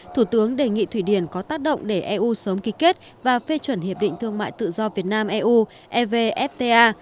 thủ tướng đề nghị thủy điển có tác động để eu sớm ký kết và phê chuẩn hiệp định thương mại tự do việt nam eu evfta